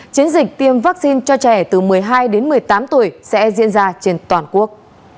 chiến dịch tiêm vaccine cho trẻ từ một mươi hai đến một mươi tám tuổi sẽ diễn ra trên toàn quốc